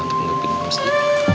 untuk ngelupin mbak musti